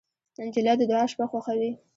نجلۍ د دعا شپه خوښوي.